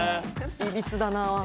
いびつだな。